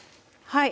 はい。